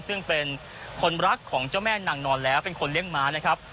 ซึ่งเป็นคนรักของเจ้าแม่นางนอนแล้วเป็นคนเลี้ยงม้านะครับ